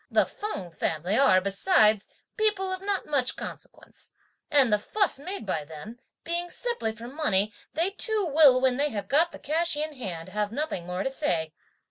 The Feng family are, besides, people of not much consequence, and (the fuss made by them) being simply for money, they too will, when they have got the cash in hand, have nothing more to say.